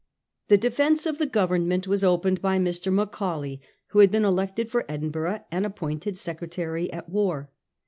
The defence of the Government was opened by Mr. Macaulay, who had been elected for Edinburgh and appointed Secretary at War.